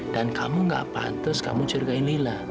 dan kamu gak pantas kamu curigain lila